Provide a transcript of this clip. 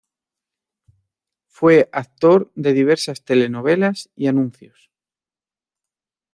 Fue actor de diversas telenovelas y anuncios.